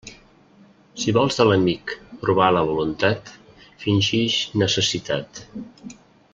Si vols de l'amic provar la voluntat, fingix necessitat.